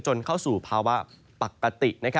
เข้าสู่ภาวะปกติ